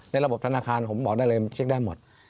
ระบบธนาคารผมบอกได้เลยเช็คได้หมด